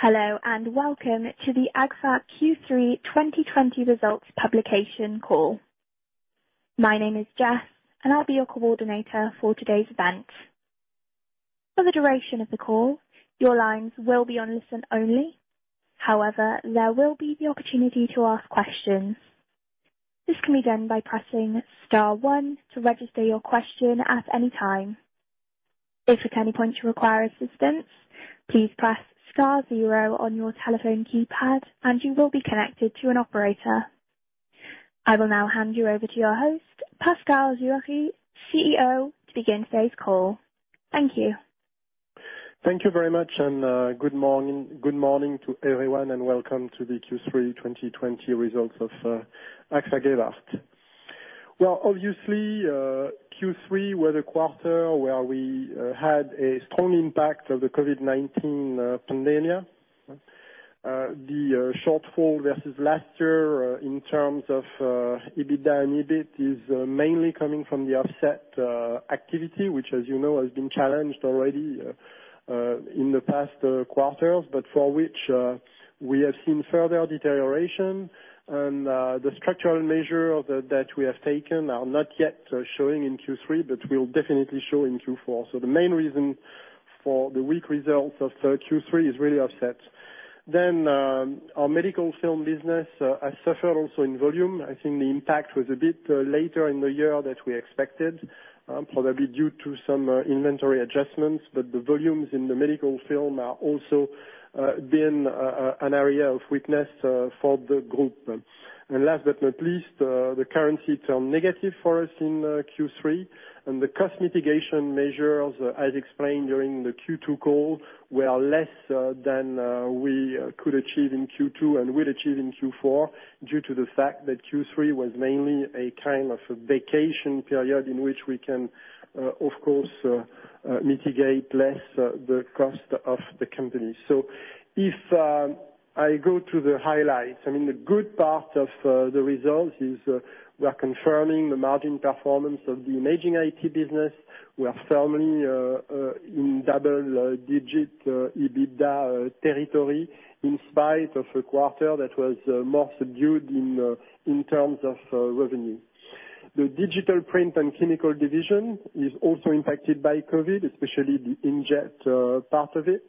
Hello, and welcome to the Agfa-Gevaert Q3 2020 results publication call. My name is Jess, and I'll be your coordinator for today's event. For the duration of the call, your lines will be on listen only. However, there will be the opportunity to ask questions. This can be done by pressing star one to register your question at any time. If at any point you require assistance, please press star zero on your telephone keypad and you will be connected to an operator. I will now hand you over to your host, Pascal Juéry, CEO, to begin today's call. Thank you. Thank you very much. Good morning to everyone, and welcome to the Q3 2020 results of Agfa-Gevaert. Well, obviously, Q3 was a quarter where we had a strong impact of the COVID-19 pandemic. The shortfall versus last year in terms of EBITDA and EBIT is mainly coming from the offset activity, which, as you know, has been challenged already in the past quarters, but for which we have seen further deterioration. The structural measure that we have taken are not yet showing in Q3, but will definitely show in Q4. The main reason for the weak results of Q3 is really offset. Our medical film business has suffered also in volume. I think the impact was a bit later in the year that we expected, probably due to some inventory adjustments. The volumes in the medical film are also have been an area of weakness for the group. Last but not least, the currency turned negative for us in Q3, and the cost mitigation measures, as explained during the Q2 call, were less than we could achieve in Q2 and will achieve in Q4 due to the fact that Q3 was mainly a kind of a vacation period in which we can, of course, mitigate less the cost of the company. If I go to the highlights, the good part of the results is we are confirming the margin performance of the Imaging IT business. We are firmly in double-digit EBITDA territory in spite of a quarter that was more subdued in terms of revenue. The Digital Print & Chemicals division is also impacted by COVID, especially the inkjet part of it.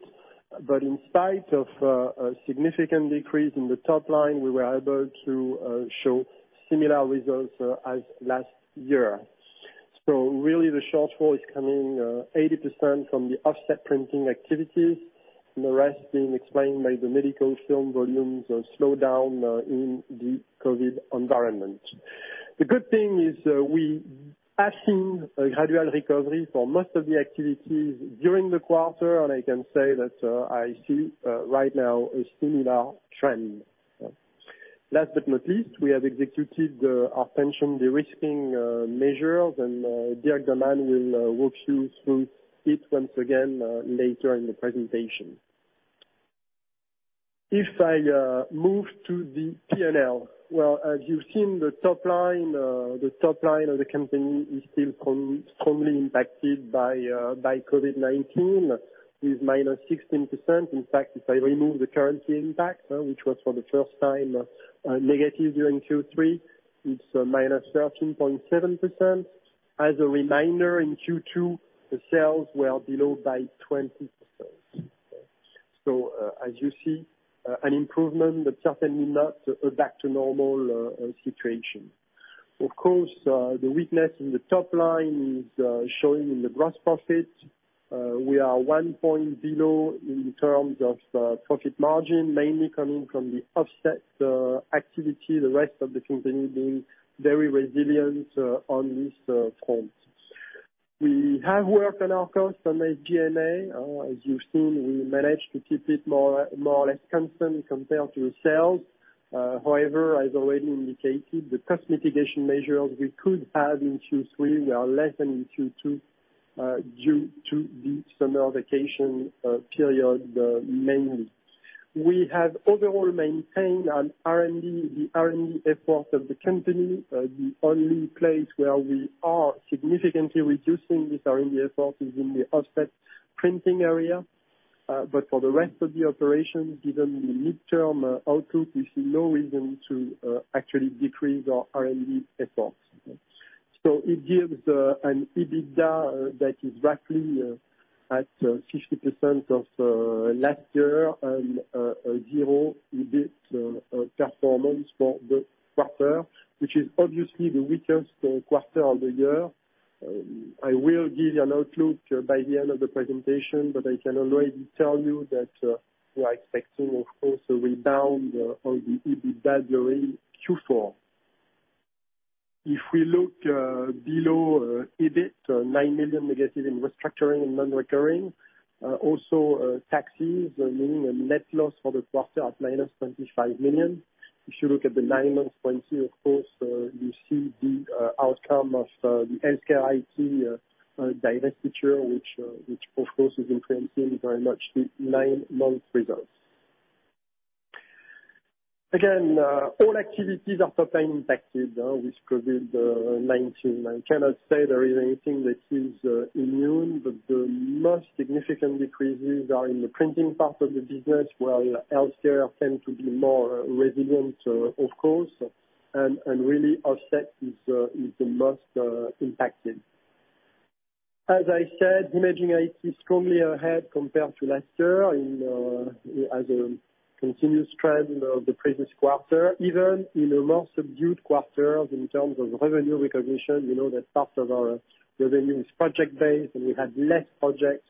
In spite of a significant decrease in the top line, we were able to show similar results as last year. Really the shortfall is coming 80% from the offset printing activities and the rest being explained by the medical film volumes slowdown in the COVID-19 environment. The good thing is we assumed a gradual recovery for most of the activities during the quarter, and I can say that I see right now a similar trend. Last but not least, we have executed our pension de-risking measures, and Dirk De Man will walk you through it once again later in the presentation. If I move to the P&L. As you've seen, the top line of the company is still strongly impacted by COVID-19, is -16%. In fact, if I remove the currency impact, which was for the first time negative during Q3, it's -13.7%. As a reminder, in Q2, the sales were below by 20%. As you see, an improvement but certainly not a back to normal situation. Of course, the weakness in the top line is showing in the gross profit. We are one point below in terms of profit margin, mainly coming from the offset activity, the rest of the company being very resilient on this front. We have worked on our costs on SG&A. As you've seen, we managed to keep it more or less constant compared to sales. However, as already indicated, the cost mitigation measures we could have in Q3 were less than in Q2 due to the summer vacation period, mainly. We have overall maintained the R&D effort of the company. The only place where we are significantly reducing this R&D effort is in the offset printing area. For the rest of the operation, given the midterm outlook, we see no reason to actually decrease our R&D efforts. It gives an EBITDA that is roughly at 50% of last year and a 0 EBIT performance for the quarter, which is obviously the weakest quarter of the year. I will give you an outlook by the end of the presentation, I can already tell you that we are expecting, of course, a rebound of the EBITDA during Q4. If we look below EBIT, 9 million negative in restructuring and non-recurring. Also, taxes meaning a net loss for the quarter of minus 25 million. If you look at the nine months when you, of course, you see the outcome of the HealthCare IT divestiture which of course is influencing very much the nine-month results. Again, all activities are top line impacted with COVID-19. I cannot say there is anything that is immune, but the most significant decreases are in the printing part of the business, while healthcare tends to be more resilient, of course, and really offset is the most impacted. As I said, Imaging IT is strongly ahead compared to last year as a continuous trend of the previous quarter, even in a more subdued quarter in terms of revenue recognition. You know that part of our revenue is project-based, and we had less projects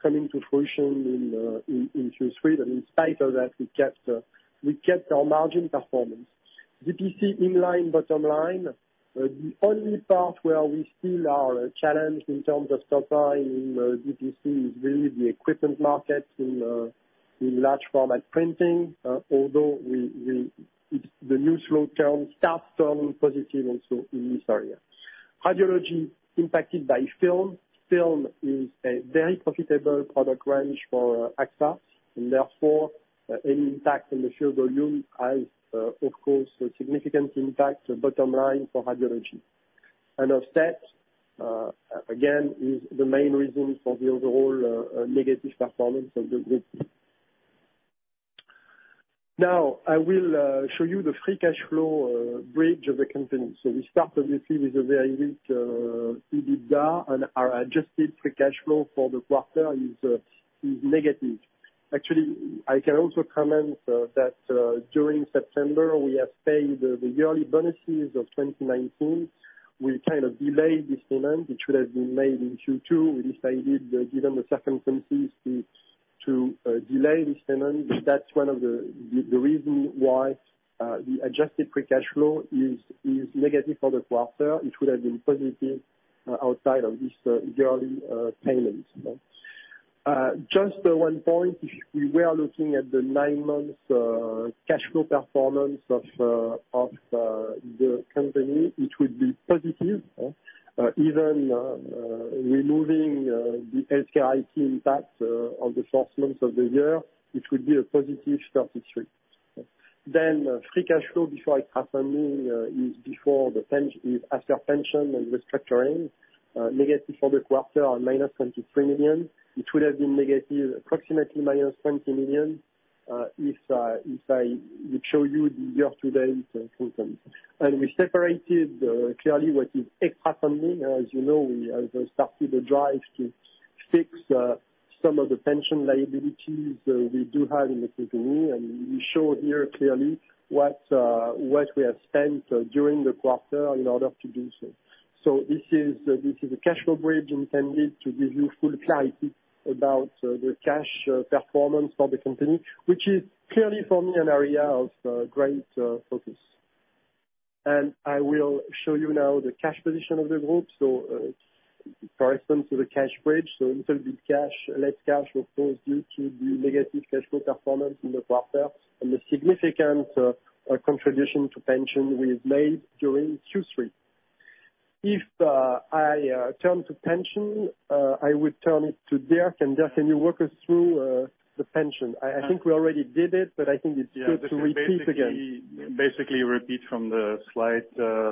coming to fruition in Q3. In spite of that, we kept our margin performance. DPC, in line, bottom line. The only part where we still are challenged in terms of top line in DPC is really the equipment market in large format printing. The news flow starts turning positive also in this area. Radiology, impacted by film. Film is a very profitable product range for Agfa and therefore any impact on the share volume has, of course, a significant impact on bottom line for radiology. Offset, again, is the main reason for the overall negative performance of the group. Now, I will show you the free cash flow bridge of the company. We start obviously with a very weak EBITDA and our adjusted free cash flow for the quarter is negative. Actually, I can also comment that during September, we have paid the yearly bonuses of 2019. We kind of delayed this payment, which would have been made in Q2. We decided, given the circumstances, to delay this payment. That's one of the reasons why the adjusted free cash flow is negative for the quarter. It would have been positive outside of this yearly payment. Just one point, if we were looking at the nine months cash flow performance of the company, it would be positive. Even removing the HealthCare IT impact on the first months of the year, it would be a positive 33 million. Free cash flow before Agfa funding is before the asset pension and restructuring, negative for the quarter on -23 million. It would have been negative, approximately -20 million, if I would show you the year-to-date performance. We separated clearly what is Agfa funding. As you know, we have started a drive to fix some of the pension liabilities we do have in the company, and we show here clearly what we have spent during the quarter in order to do so. This is a cash flow bridge intended to give you full clarity about the cash performance for the company, which is clearly for me an area of great focus. I will show you now the cash position of the group. For instance, the cash bridge. a little bit less cash, of course, due to the negative cash flow performance in the quarter and the significant contribution to pension we have made during Q3. If I turn to pension, I would turn it to Dirk. Dirk, can you walk us through the pension? I think we already did it, but I think it's good to repeat again. Basically a repeat from the slide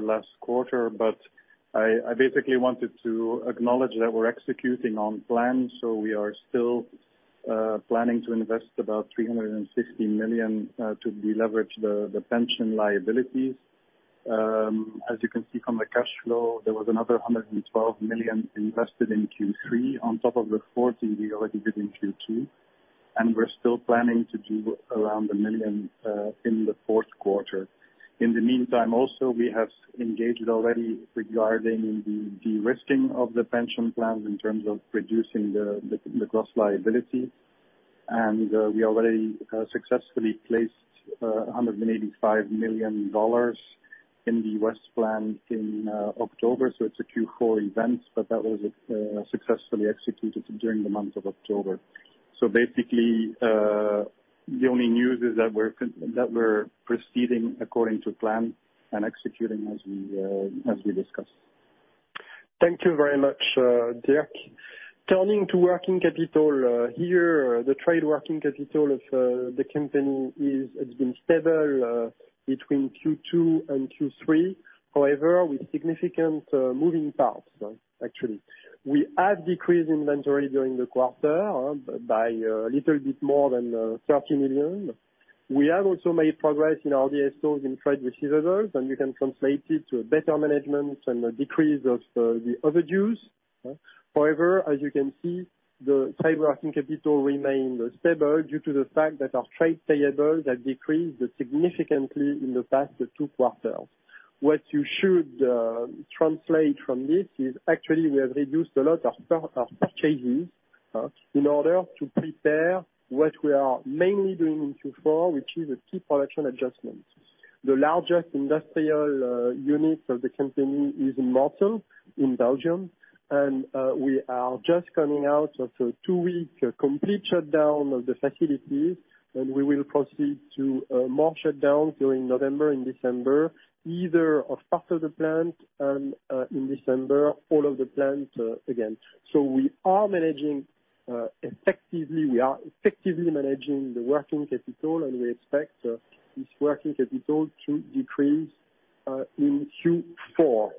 last quarter, I basically wanted to acknowledge that we're executing on plan. We are still planning to invest about 360 million to deleverage the pension liabilities. As you can see from the cash flow, there was another 112 million invested in Q3 on top of the 40 million we already did in Q2, we're still planning to do around 100 million in the fourth quarter. In the meantime, also, we have engaged already regarding the de-risking of the pension plan in terms of reducing the gross liability, we already successfully placed $185 million in the US plan in October. It's a Q4 event, that was successfully executed during the month of October. Basically, the only news is that we're proceeding according to plan and executing as we discussed. Thank you very much, Dirk. Turning to working capital. Here, the trade working capital of the company has been stable between Q2 and Q3. However, with significant moving parts, actually. We have decreased inventory during the quarter by a little bit more than 30 million. We have also made progress in our DSO in trade receivables, and you can translate it to a better management and a decrease of the overdues. However, as you can see, the trade working capital remained stable due to the fact that our trade payables have decreased significantly in the past two quarters. What you should translate from this is actually we have reduced a lot of purchases in order to prepare what we are mainly doing in Q4, which is a key production adjustment. The largest industrial unit of the company is in Mortsel, in Belgium, and we are just coming out of a two-week complete shutdown of the facilities, and we will proceed to more shutdowns during November and December, either a part of the plant, and in December, all of the plant again. We are effectively managing the working capital, and we expect this working capital to decrease in Q4.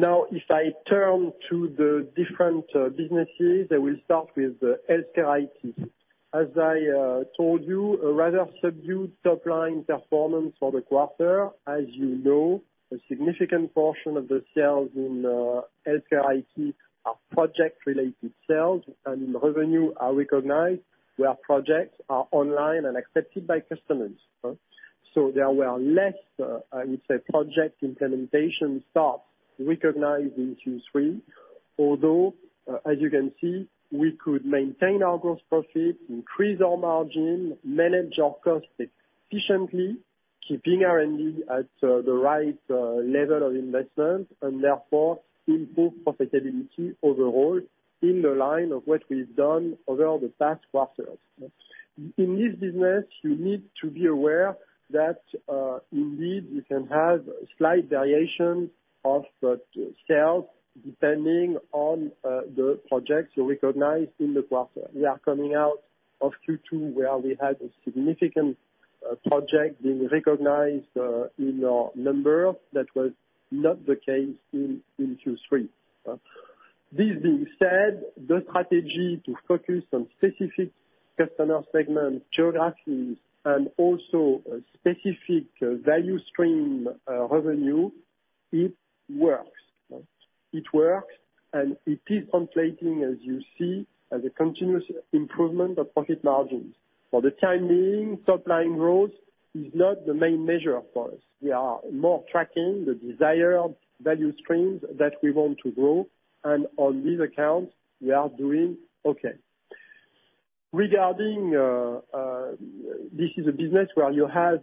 Now, if I turn to the different businesses, I will start with the HealthCare IT. As I told you, a rather subdued top line performance for the quarter. As you know, a significant portion of the sales in HealthCare IT are project-related sales, and revenue are recognized where projects are online and accepted by customers. There were less, I would say, project implementation starts recognized in Q3. Although, as you can see, we could maintain our gross profit, increase our margin, manage our cost efficiently, keeping R&D at the right level of investment, and therefore improve profitability overall in the line of what we've done over the past quarters. In this business, you need to be aware that indeed, you can have slight variation of the sales depending on the projects you recognize in the quarter. We are coming out of Q2 where we had a significant project being recognized in our number. That was not the case in Q3. This being said, the strategy to focus on specific customer segment geographies and also specific value stream revenue, it works. It works, and it is translating, as you see, as a continuous improvement of profit margins. For the time being, top line growth is not the main measure for us. We are more tracking the desired value streams that we want to grow, and on these accounts, we are doing okay. This is a business where you have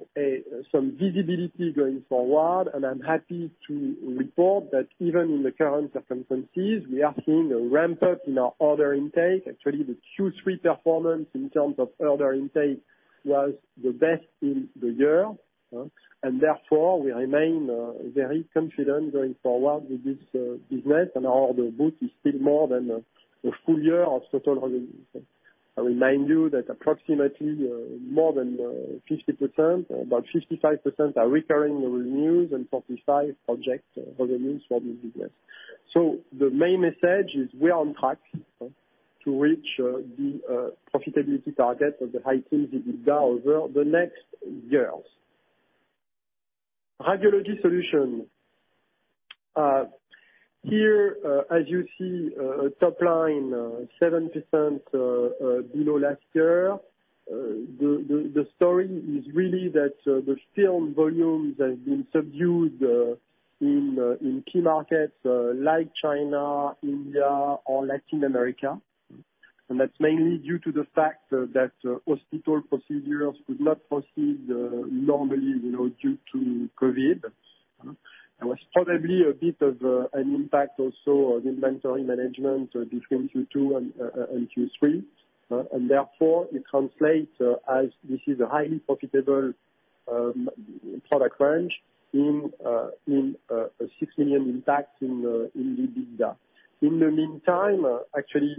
some visibility going forward, and I'm happy to report that even in the current circumstances, we are seeing a ramp-up in our order intake. Actually, the Q3 performance in terms of order intake was the best in the year. Therefore, we remain very confident going forward with this business and our order book is still more than a full year of total revenues. I remind you that approximately more than 50%, about 55% are recurring revenues and 45% project revenues from this business. The main message is we are on track to reach the profitability target of the high teens EBITDA over the next years. Radiology Solutions. Here, as you see, top line 7% below last year. The story is really that the film volumes have been subdued in key markets like China, India, or Latin America. That's mainly due to the fact that hospital procedures could not proceed normally due to COVID-19. There was probably a bit of an impact also on inventory management between Q2 and Q3. Therefore, it translates as this is a highly profitable product range in a 6 million impact in the EBITDA. In the meantime, actually,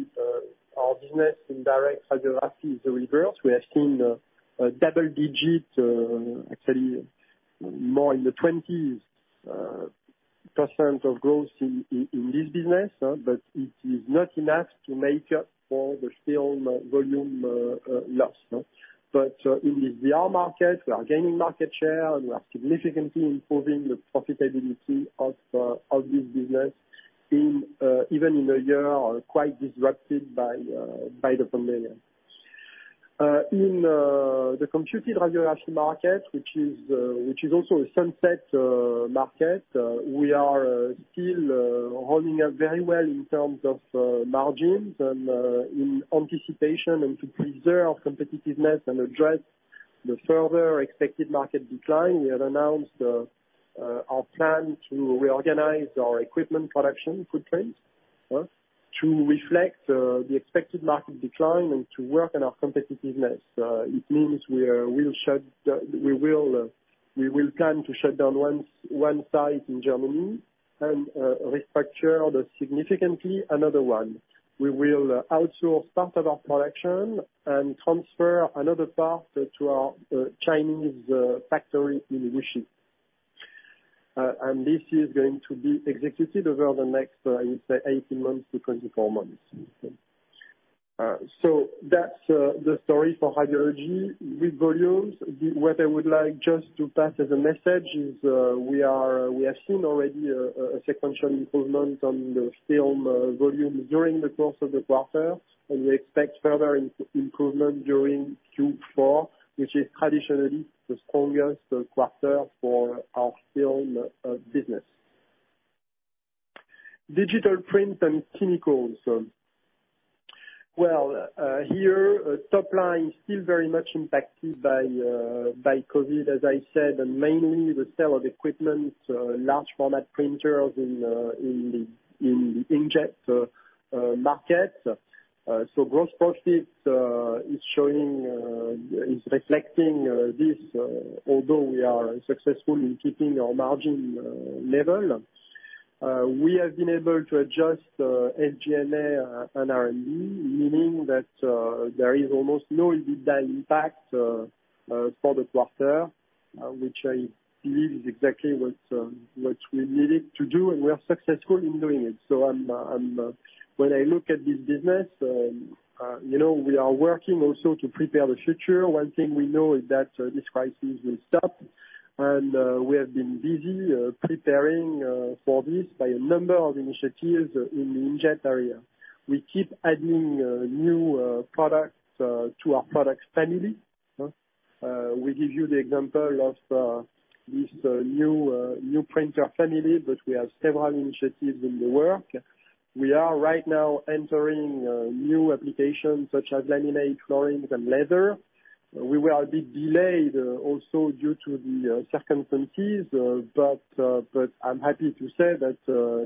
our business in direct radiography is the reverse. We have seen a double digit, actually, more in the 20s% of growth in this business. It is not enough to make up for the film volume loss. In the DR market, we are gaining market share, and we are significantly improving the profitability of this business even in a year quite disrupted by the pandemic. In the computed radiography market, which is also a sunset market, we are still holding up very well in terms of margins and in anticipation and to preserve competitiveness and address the further expected market decline. We have announced our plan to reorganize our equipment production footprints to reflect the expected market decline and to work on our competitiveness. It means we will plan to shut down one site in Germany and restructure significantly another one. We will outsource part of our production and transfer another part to our Chinese factory in Wuxi. This is going to be executed over the next, I would say, 18-24 months. That's the story for Radiology with volumes. What I would like just to pass as a message is we have seen already a sequential improvement on the film volumes during the course of the quarter, and we expect further improvement during Q4, which is traditionally the strongest quarter for our film business. Digital Print & Chemicals. Here, top line is still very much impacted by COVID-19, as I said, and mainly the sale of equipment, large format printers in the inkjet market. Gross profit is reflecting this, although we are successful in keeping our margin level. We have been able to adjust SG&A and R&D, meaning that there is almost no EBITDA impact for the quarter, which I believe is exactly what we needed to do, and we are successful in doing it. When I look at this business, we are working also to prepare the future. One thing we know is that this crisis will stop, and we have been busy preparing for this by a number of initiatives in the inkjet area. We keep adding new products to our product family. We give you the example of this new printer family, but we have several initiatives in the work. We are right now entering new applications such as laminate, flooring, and leather. We were a bit delayed also due to the circumstances, but I'm happy to say that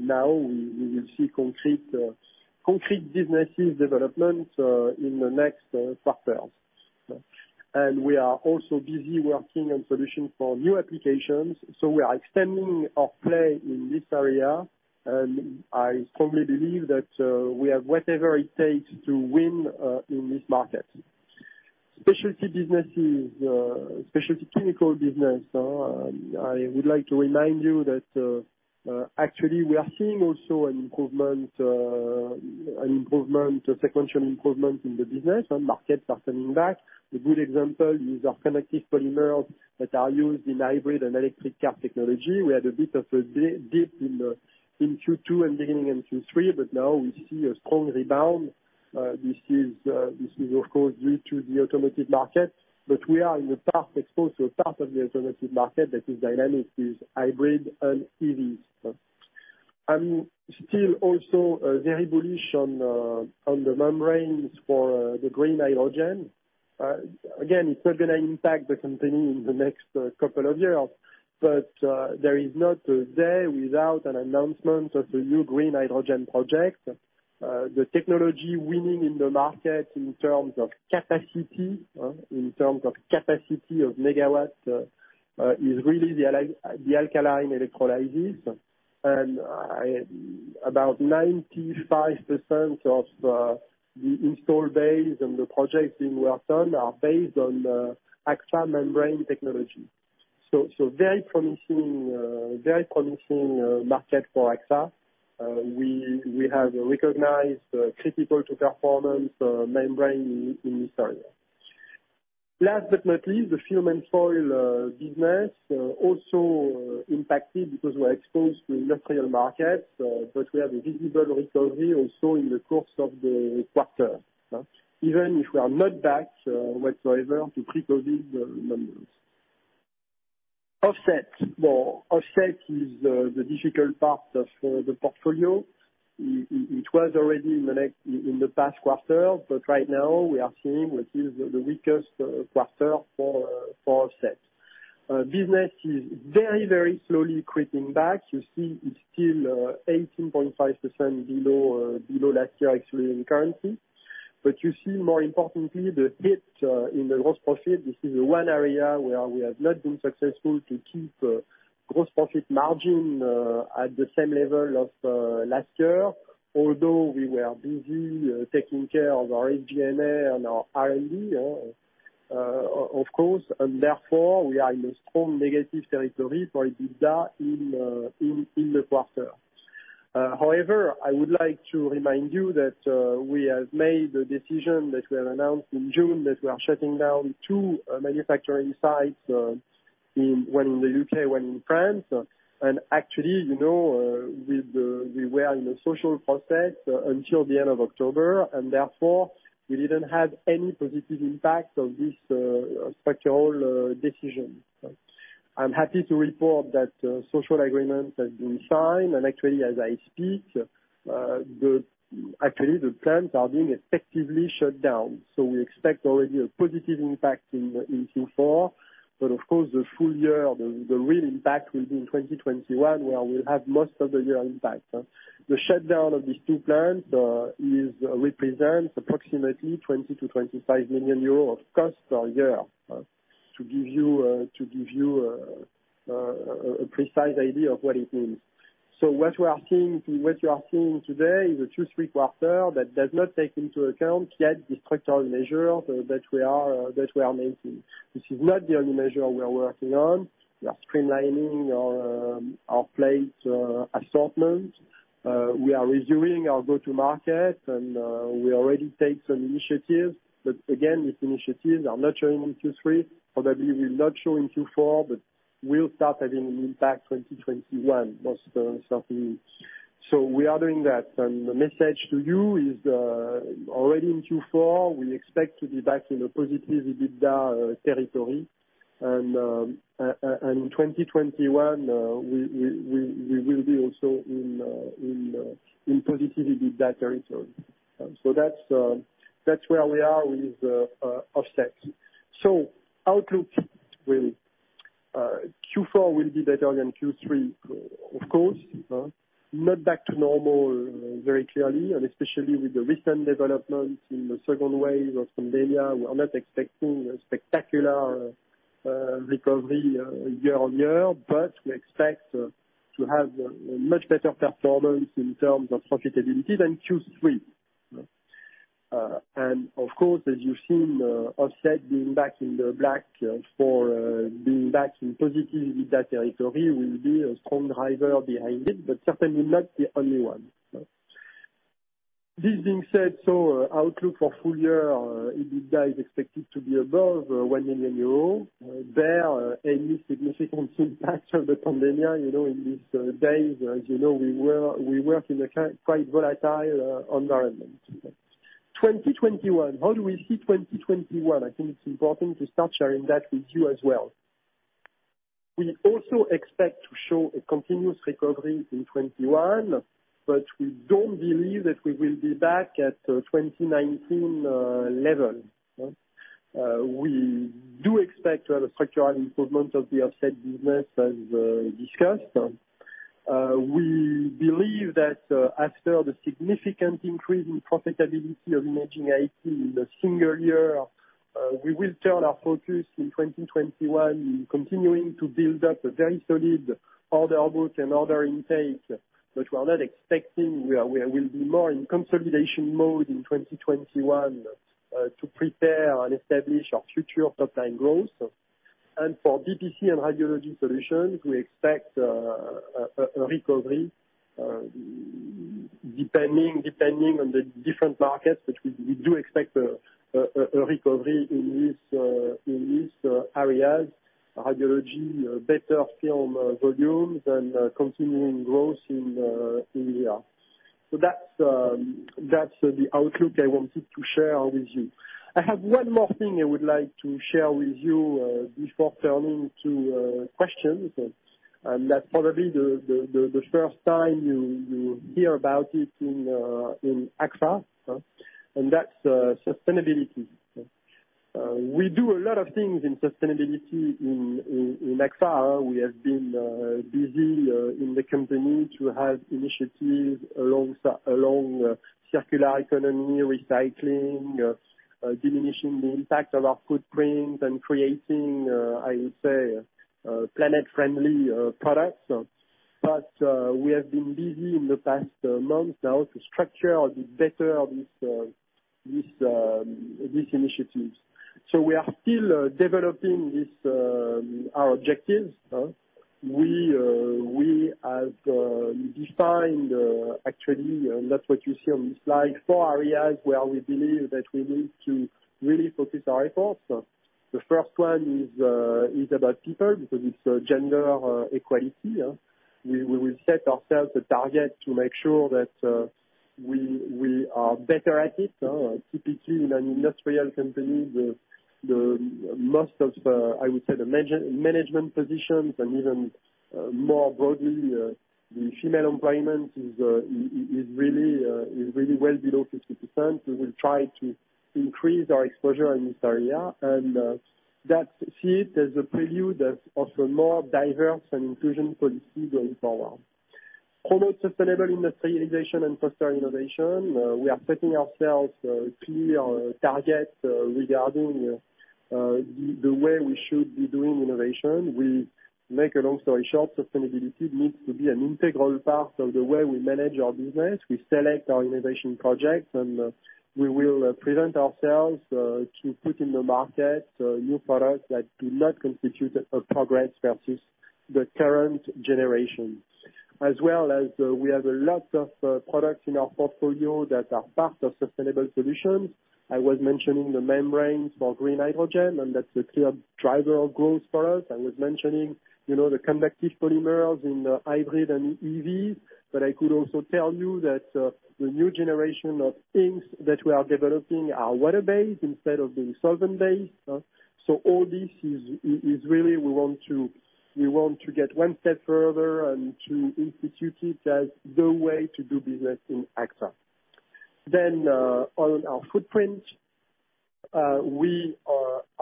now we will see concrete businesses development in the next quarters. We are also busy working on solutions for new applications. We are extending our play in this area, and I strongly believe that we have whatever it takes to win in this market. Specialty chemical business. I would like to remind you that actually we are seeing also a sequential improvement in the business, and markets are coming back. A good example is our conductive polymers that are used in hybrid and electric car technology. We had a bit of a dip in Q2 and beginning in Q3, but now we see a strong rebound. This is, of course, due to the automotive market, but we are in the part exposed to a part of the automotive market that is dynamic, is hybrid and EVs. I'm still also very bullish on the membranes for the green hydrogen. Again, it's not going to impact the company in the next couple of years, but there is not a day without an announcement of the new green hydrogen project. The technology winning in the market in terms of capacity of megawatts is really the alkaline electrolysis. About 95% of the install base and the projects being worked on are based on ZIRFON membrane technology. Very promising market for ZIRFON. We have recognized critical to performance membrane in this area. Last but not least, the film and foil business also impacted because we're exposed to industrial markets, but we have a visible recovery also in the course of the quarter. Even if we are not back whatsoever to pre-COVID-19 numbers. Offset. Offset is the difficult part of the portfolio. It was already in the past quarter, but right now we are seeing what is the weakest quarter for Offset. Business is very slowly creeping back. You see it's still 18.5% below last year, actually in currency. You see more importantly, the hit in the gross profit. This is one area where we have not been successful to keep gross profit margin at the same level of last year, although we were busy taking care of our SG&A and our R&D, of course, and therefore we are in a strong negative territory for EBITDA in the quarter. I would like to remind you that we have made a decision that we have announced in June that we are shutting down two manufacturing sites, one in the U.K., one in France. Actually, we were in a social process until the end of October, and therefore, we didn't have any positive impact of this structural decision. I'm happy to report that social agreement has been signed, and actually, as I speak, the plants are being effectively shut down. We expect already a positive impact in Q4, but of course, the full year, the real impact will be in 2021, where we'll have most of the year impact. The shutdown of these two plants represents approximately 20 million-25 million euros of cost per year, to give you a precise idea of what it means. What you are seeing today is a two, three quarters that does not take into account yet the structural measure that we are making. This is not the only measure we are working on. We are streamlining our plate assortment. We are reviewing our go-to market, and we already take some initiatives. Again, these initiatives are not showing in Q3, probably will not show in Q4, but will start having an impact 2021, most certainly. We are doing that. The message to you is already in Q4, we expect to be back in a positive EBITDA territory. In 2021, we will be also in positive EBITDA territory. That's where we are with Offset. Outlook. Q4 will be better than Q3, of course. Not back to normal very clearly, and especially with the recent developments in the second wave of some areas, we are not expecting a spectacular recovery year-on-year, but we expect to have a much better performance in terms of profitability than Q3. Of course, as you've seen, Offset being back in the black for being back in positive EBITDA territory will be a strong driver behind it, but certainly not the only one. This being said, outlook for full year, EBITDA is expected to be above 1 million euros, bare any significant impact of the pandemic. In these days, as you know, we work in a quite volatile environment. 2021. How do we see 2021? I think it's important to start sharing that with you as well. We also expect to show a continuous recovery in 2021, but we don't believe that we will be back at 2019 level. We do expect to have a structural improvement of the offset business as discussed. We believe that after the significant increase in profitability of Imaging IT in the single year, we will turn our focus in 2021 in continuing to build up a very solid order book and order intake. We'll be more in consolidation mode in 2021 to prepare and establish our future top-line growth. For DPC and Radiology Solutions, we expect a recovery depending on the different markets, but we do expect a recovery in these areas, radiology, better film volumes and continuing growth in India. That's the outlook I wanted to share with you. I have one more thing I would like to share with you before turning to questions, and that's probably the first time you will hear about it in Agfa-Gevaert, and that's sustainability. We do a lot of things in sustainability in Agfa-Gevaert. We have been busy in the company to have initiatives along circular economy, recycling, diminishing the impact of our footprint and creating, I would say, planet-friendly products. We have been busy in the past month now to structure or do better these initiatives. We are still developing our objectives. We have defined actually, and that's what you see on this slide, four areas where we believe that we need to really focus our efforts. The first one is about people, because it's gender equality. We will set ourselves a target to make sure that we are better at it. Typically, in an industrial company, the most of, I would say, the management positions and even more broadly, the female employment is really well below 50%. We will try to increase our exposure in this area, and that's it. There's a preview that offer more diverse and inclusion policy going forward. Promote sustainable industrialization and foster innovation. We are setting ourselves clear targets regarding the way we should be doing innovation. We make a long story short, sustainability needs to be an integral part of the way we manage our business. We select our innovation projects, and we will prevent ourselves to put in the market new products that do not constitute a progress versus the current generation. As well as we have a lot of products in our portfolio that are part of sustainable solutions. I was mentioning the membranes for green hydrogen, and that's a clear driver of growth for us. I was mentioning the conductive polymers in hybrid and EVs, but I could also tell you that the new generation of inks that we are developing are water-based instead of being solvent-based. All this is really we want to get one step further and to institute it as the way to do business in Agfa-Gevaert. On our footprint, we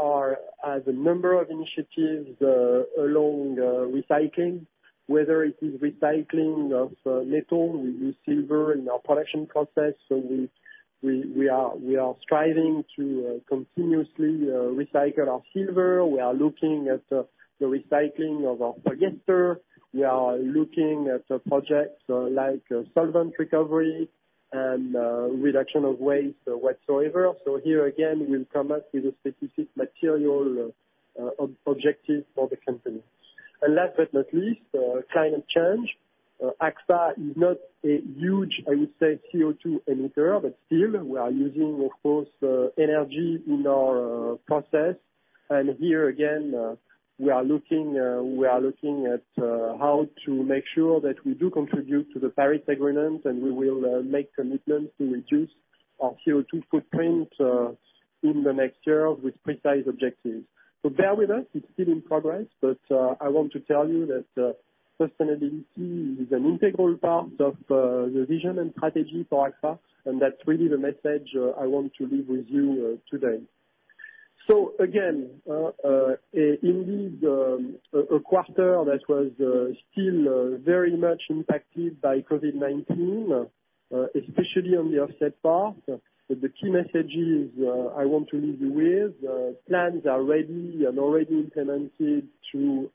are as a number of initiatives along recycling, whether it is recycling of metal. We use silver in our production process. We are striving to continuously recycle our silver. We are looking at the recycling of our polyester. We are looking at projects like solvent recovery and reduction of waste whatsoever. Here again, we'll come back with a specific material objective for the company. Last but not least, climate change. Agfa-Gevaert is not a huge, I would say, CO2 emitter, but still we are using, of course, energy in our process. Here again, we are looking at how to make sure that we do contribute to the Paris Agreement, and we will make commitments to reduce our CO2 footprint in the next year with precise objectives. Bear with us, it's still in progress, but I want to tell you that sustainability is an integral part of the vision and strategy for Agfa-Gevaert, and that's really the message I want to leave with you today. Again indeed a quarter that was still very much impacted by COVID-19, especially on the offset part. The key message is I want to leave you with plans are ready and already implemented to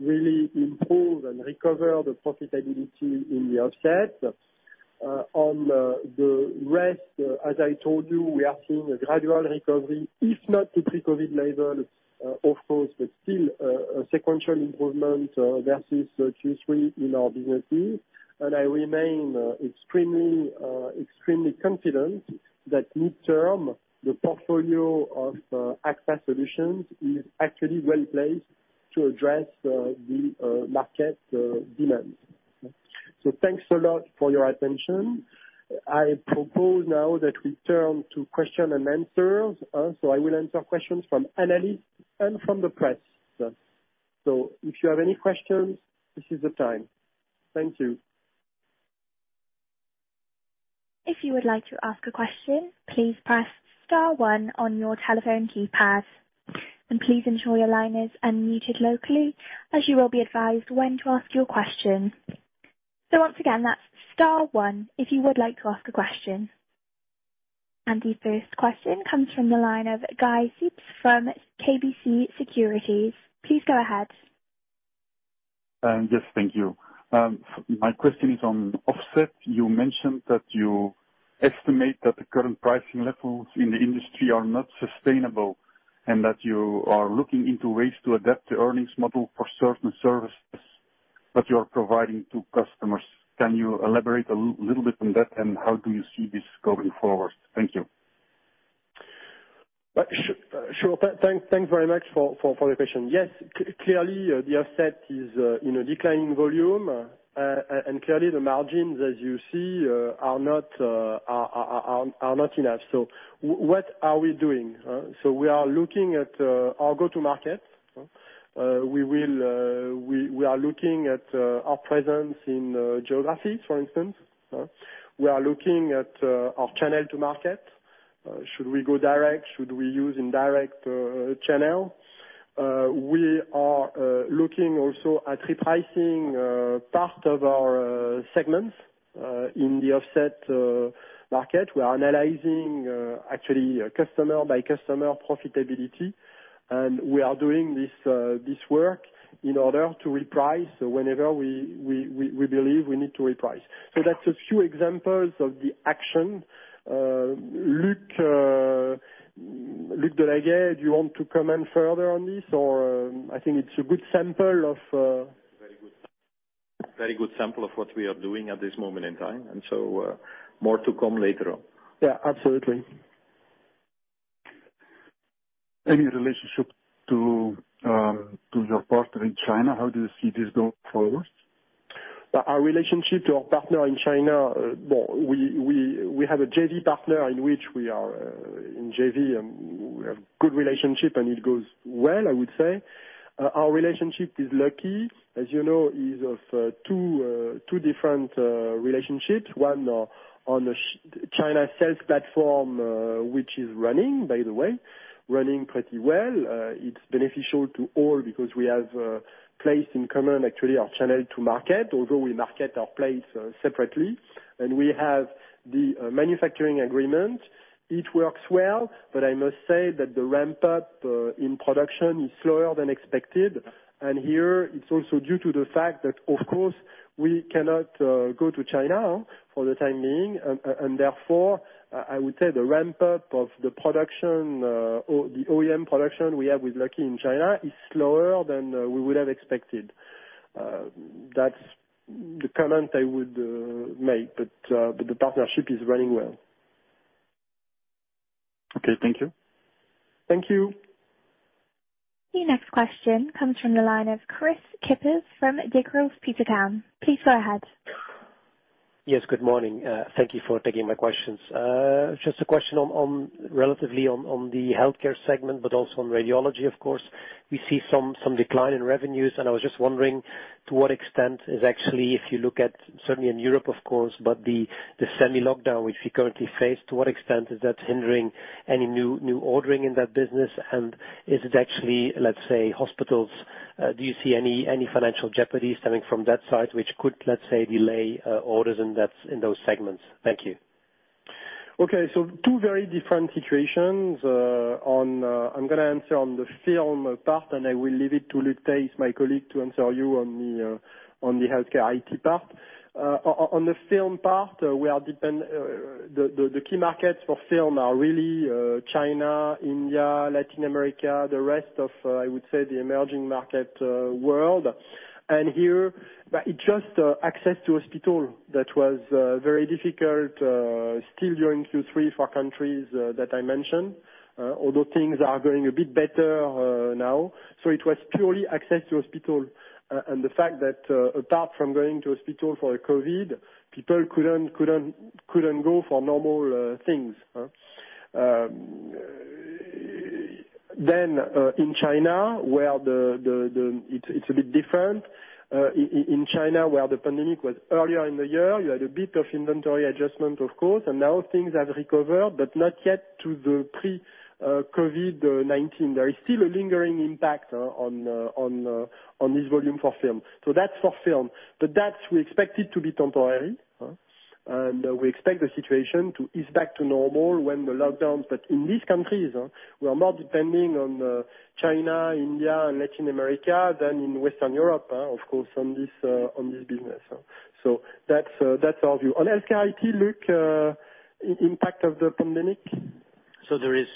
really improve and recover the profitability in the offset. On the rest, as I told you, we are seeing a gradual recovery, if not to pre-COVID levels, of course, but still a sequential improvement versus Q3 in our businesses. I remain extremely confident that midterm, the portfolio of Agfa-Gevaert solutions is actually well-placed to address the market demands. Thanks a lot for your attention. I propose now that we turn to question and answers. I will answer questions from analysts and from the press. If you have any questions, this is the time. Thank you. If you would like to ask a question, please press star one on your telephone keypad. Please ensure your line is unmuted locally, as you will be advised when to ask your question. Once again, that's star one if you would like to ask a question. The first question comes from the line of Guy Sips from KBC Securities. Please go ahead. Yes, thank you. My question is on offset. You mentioned that you estimate that the current pricing levels in the industry are not sustainable, and that you are looking into ways to adapt the earnings model for certain services that you're providing to customers. Can you elaborate a little bit on that and how do you see this going forward? Thank you. Sure. Thanks very much for the question. Yes, clearly, the offset is in a declining volume. Clearly the margins as you see are not enough. What are we doing? We are looking at our go-to market. We are looking at our presence in geographies, for instance. We are looking at our channel to market. Should we go direct? Should we use indirect channel? We are looking also at repricing part of our segments in the offset market. We are analyzing actually customer by customer profitability, and we are doing this work in order to reprice whenever we believe we need to reprice. That's a few examples of the action. Luc Delagaye, do you want to comment further on this? Very good sample of what we are doing at this moment in time. More to come later on. Yeah, absolutely. Any relationship to your partner in China, how do you see this going forward? Our relationship to our partner in China, we have a JV partner in which we are in JV, and we have good relationship and it goes well, I would say. Our relationship is Lucky. As you know, is of two different relationships. One on the China sales platform, which is running by the way, running pretty well. It's beneficial to all because we have a place in common, actually our channel to market, although we market our place separately and we have the manufacturing agreement. I must say that the ramp-up in production is slower than expected. Here it's also due to the fact that of course we cannot go to China for the time being. Therefore, I would say the ramp-up of the production, the OEM production we have with Lucky in China is slower than we would have expected. That's the comment I would make, but the partnership is running well. Okay, thank you. Thank you. The next question comes from the line of Kris Kippers from Degroof Petercam. Please go ahead. Yes, good morning. Thank you for taking my questions. Just a question on relatively on the healthcare segment, but also on radiology of course. We see some decline in revenues. I was just wondering to what extent is actually, if you look at certainly in Europe of course, but the semi lockdown which we currently face, to what extent is that hindering any new ordering in that business? Is it actually, let's say, hospitals, do you see any financial jeopardy stemming from that side which could, let's say, delay orders in those segments? Thank you. Okay. Two very different situations. I'm going to answer on the film part, and I will leave it to Luc Thijs, my colleague, to answer you on the HealthCare IT part. On the film part, the key markets for film are really China, India, Latin America, the rest of, I would say the emerging market world. Here it's just access to hospital that was very difficult still during Q3 for countries that I mentioned. Although things are going a bit better now. It was purely access to hospital, and the fact that apart from going to hospital for COVID, people couldn't go for normal things. In China, where it's a bit different. In China, where the pandemic was earlier in the year, you had a bit of inventory adjustment, of course, and now things have recovered, but not yet to the pre-COVID-19. There is still a lingering impact on this volume for film. That's for film. That, we expect it to be temporary. We expect the situation to ease back to normal when the lockdowns. In these countries, we are more depending on China, India, and Latin America than in Western Europe, of course, on this business. That's our view. On HealthCare IT, Luc, impact of the pandemic? There is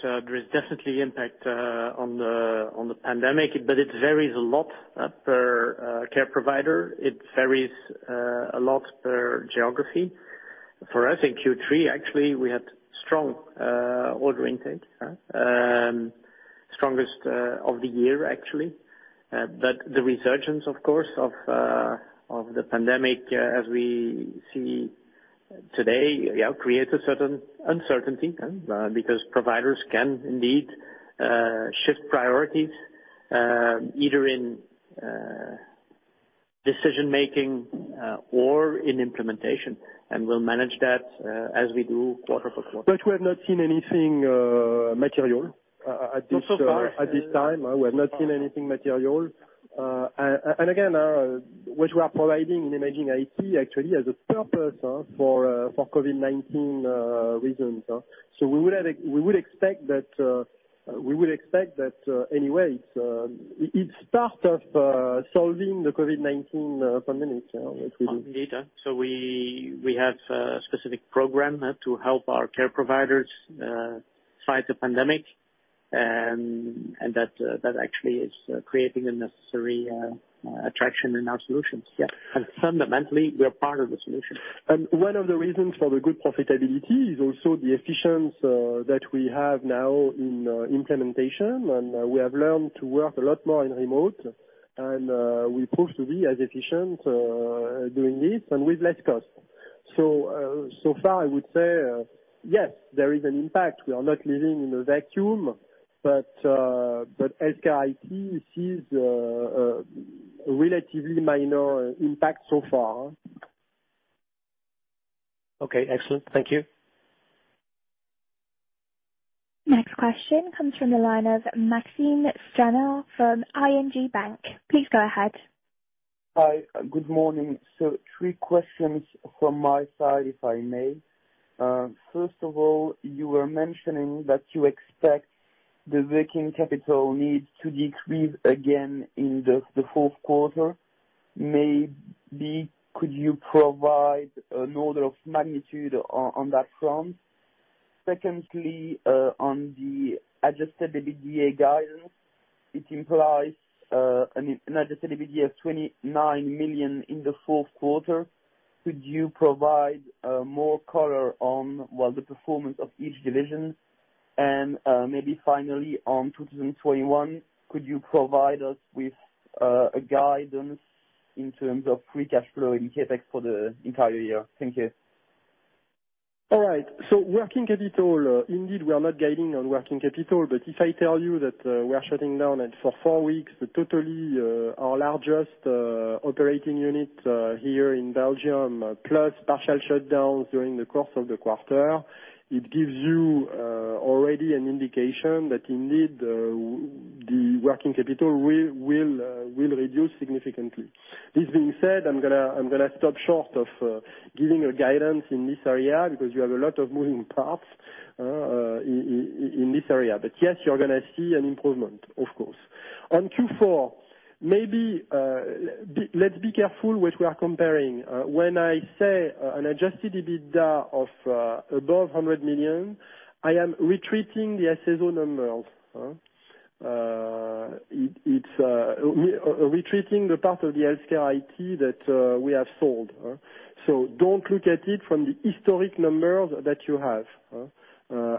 definitely impact on the pandemic, but it varies a lot per care provider. It varies a lot per geography. For us, in Q3, actually, we had strong order intake. Strongest of the year, actually. The resurgence, of course, of the pandemic, as we see today, creates a certain uncertainty. Providers can indeed shift priorities, either in decision making or in implementation. We'll manage that as we do quarter for quarter. We have not seen anything material at this time. Not so far. We have not seen anything material. Which we are providing in Imaging IT actually has a purpose for COVID-19 reasons. We would expect that anyway, it's part of solving the COVID-19 pandemic. Indeed. We have a specific program to help our care providers fight the pandemic, and that actually is creating a necessary attraction in our solutions, yeah. Fundamentally, we are part of the solution. One of the reasons for the good profitability is also the efficiency that we have now in implementation, and we have learned to work a lot more in remote, and we prove to be as efficient doing this and with less cost. So far I would say, yes, there is an impact. We are not living in a vacuum, but HealthCare IT sees a relatively minor impact so far. Okay, excellent. Thank you. Next question comes from the line of Maxime Stranart from ING Bank. Please go ahead. Hi. Good morning. Three questions from my side, if I may. First of all, you were mentioning that you expect the working capital needs to decrease again in the fourth quarter. Maybe could you provide an order of magnitude on that front? Secondly, on the adjusted EBITDA guidance, it implies an adjusted EBITDA of 29 million in the fourth quarter. Could you provide more color on, well, the performance of each division? Maybe finally, on 2021, could you provide us with a guidance in terms of free cash flow and CapEx for the entire year? Thank you. All right. Working capital, indeed, we are not guiding on working capital. If I tell you that we are shutting down and for four weeks, totally our largest operating unit here in Belgium, plus partial shutdowns during the course of the quarter, it gives you already an indication that indeed, the working capital will reduce significantly. This being said, I'm going to stop short of giving a guidance in this area because you have a lot of moving parts in this area. Yes, you're going to see an improvement, of course. On Q4, maybe let's be careful what we are comparing. When I say an adjusted EBITDA of above 100 million, I am retreating the SSO numbers. Retreating the part of the HealthCare IT that we have sold. Don't look at it from the historic numbers that you have,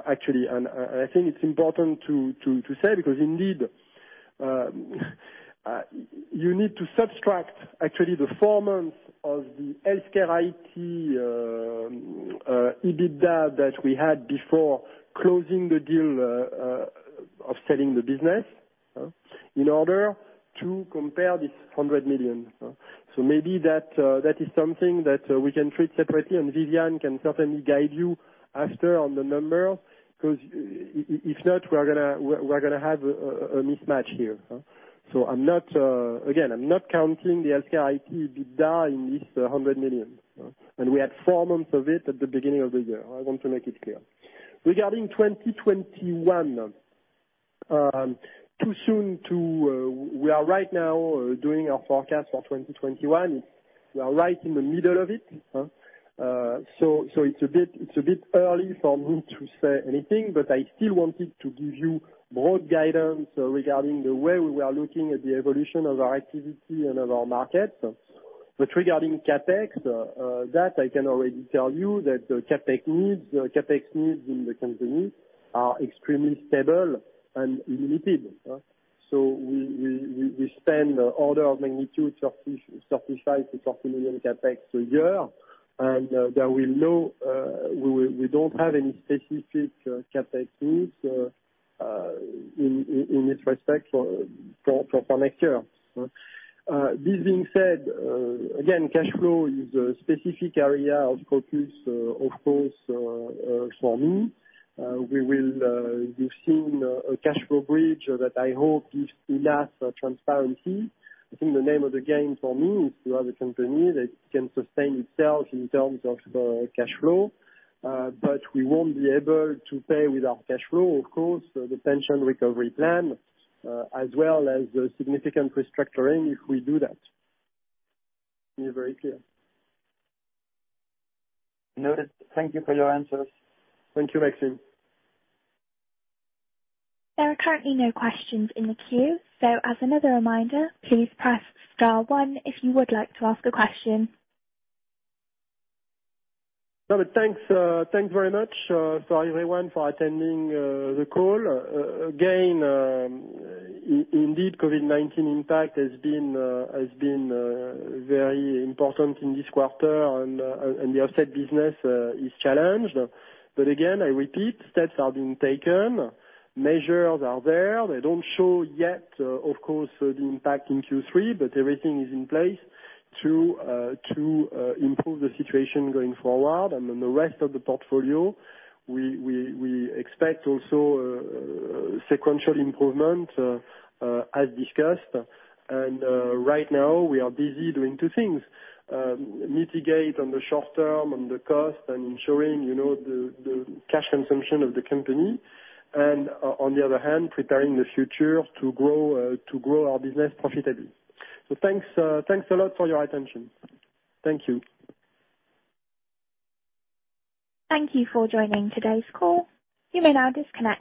actually. I think it's important to say because indeed, you need to subtract actually the four months of the HealthCare IT EBITDA that we had before closing the deal of selling the business in order to compare this 100 million. Maybe that is something that we can treat separately, and Viviane can certainly guide you after on the number, because if not, we're going to have a mismatch here. Again, I'm not counting the HealthCare IT EBITDA in this 100 million. We had four months of it at the beginning of the year. I want to make it clear. Regarding 2021, too soon to. We are right now doing our forecast for 2021. We are right in the middle of it. It's a bit early for me to say anything, I still wanted to give you broad guidance regarding the way we are looking at the evolution of our activity and of our market. Regarding CapEx, that I can already tell you that the CapEx needs in the company are extremely stable and limited. So we spend order of magnitude 30 million, 35 million-40 million CapEx a year. There we know we don't have any specific CapEx needs in this respect for next year. This being said, again, cash flow is a specific area of focus, of course, for me. You've seen a cash flow bridge that I hope gives enough transparency. I think the name of the game for me is to have a company that can sustain itself in terms of cash flow. We won't be able to pay with our cash flow, of course, the pension recovery plan, as well as the significant restructuring if we do that. Be very clear. Noted. Thank you for your answers. Thank you, Maxime. There are currently no questions in the queue, so as another reminder, please press star one if you would like to ask a question. Thanks very much for everyone for attending the call. COVID-19 impact has been very important in this quarter and the offset business is challenged. I repeat, steps are being taken, measures are there. They don't show yet, of course, the impact in Q3, everything is in place to improve the situation going forward. The rest of the portfolio, we expect also sequential improvement, as discussed. Right now we are busy doing two things, mitigate on the short term on the cost and ensuring the cash consumption of the company. On the other hand, preparing the future to grow our business profitably. Thanks a lot for your attention. Thank you. Thank you for joining today's call. You may now disconnect.